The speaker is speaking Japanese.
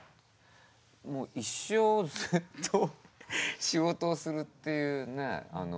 もう一生ずっと仕事をするっていうね